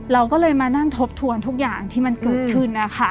เราก็เลยมานั่งทบทวนทุกอย่างที่มันเกิดขึ้นนะคะ